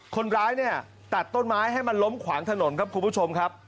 คนร้ายเนี่ยตัดต้นไม้ให้มันล้มขวางถนนครับคุณผู้ชมครับ